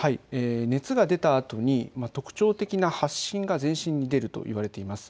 熱が出たあとに特徴的な発疹が全身に出るといわれています。